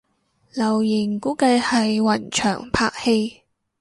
留言估計係雲翔拍戲